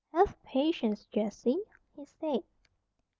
"Have patience, Jessie," he said.